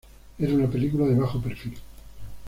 Era una película de bajo perfil.